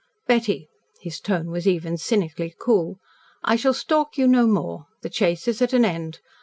"Betty," his tone was even cynically cool, "I shall stalk you no more. The chase is at an end.